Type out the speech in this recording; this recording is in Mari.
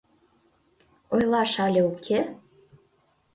Ойлаш але уке?